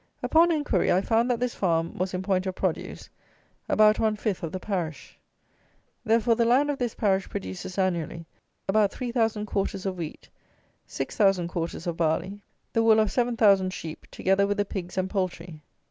Upon inquiry, I found that this farm was, in point of produce, about one fifth of the parish. Therefore, the land of this parish produces annually about 3000 quarters of wheat, 6000 quarters of barley, the wool of 7000 sheep, together with the pigs and poultry.